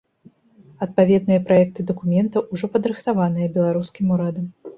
Адпаведныя праекты дакументаў ужо падрыхтаваныя беларускім урадам.